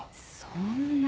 そんな。